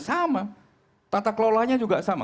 sama tata kelolanya juga sama